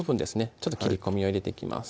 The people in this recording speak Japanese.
ちょっと切り込みを入れていきます